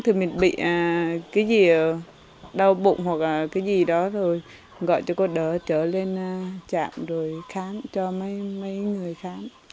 thì mình bị cái gì đau bụng hoặc là cái gì đó rồi gọi cho cô đỡ trở lên trạm rồi khám cho mấy người khám